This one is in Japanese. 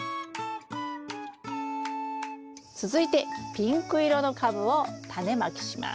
続いてピンク色のカブをタネまきします。